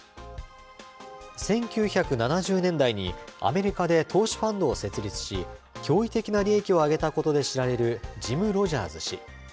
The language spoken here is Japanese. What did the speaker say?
１９７０年代にアメリカで投資ファンドを設立し、驚異的な利益を上げたことで知られるジム・ロジャーズ氏。